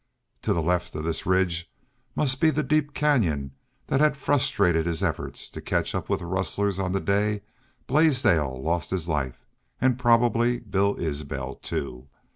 To the left of this ridge must be the deep canyon that had frustrated his efforts to catch up with the rustlers on the day Blaisdell lost his life, and probably Bill Isbel, too.